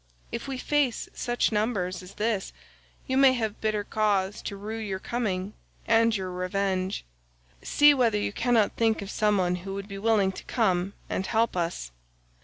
If we face such numbers as this, you may have bitter cause to rue your coming, and your revenge. See whether you cannot think of some one who would be willing to come and help us."